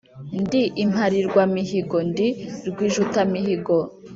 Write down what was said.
Ndi impalirwa mihigo, ndi rwijutamihigo,